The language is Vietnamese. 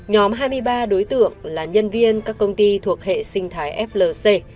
nhóm hai mươi ba đối tượng là nhân viên các công ty thuộc hệ sinh thái flc